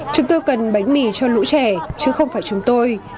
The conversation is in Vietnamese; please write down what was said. chúng tôi cần bánh mì cho lũ trẻ chứ không phải chúng tôi